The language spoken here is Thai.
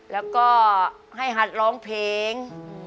แล้วก็ให้หัดร้องเพลง